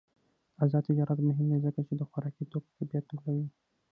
آزاد تجارت مهم دی ځکه چې د خوراکي توکو کیفیت لوړوي.